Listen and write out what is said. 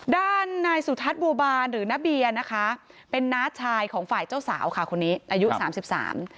ด้านนายสุทัศน์บัวบานหรือน้าเบียนะคะเป็นน้าชายของฝ่ายเจ้าสาวค่ะคนนี้อายุสามสิบสาม